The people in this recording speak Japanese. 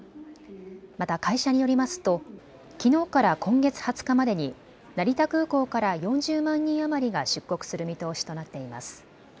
また会社によりますときのうから今月２０日までに成田空港から４０万人余りが出国する見通しとなっています。